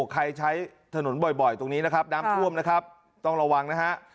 ใช้ถนนบ่อยตรงนี้นะครับน้ำท่วมนะครับต้องระวังนะฮะ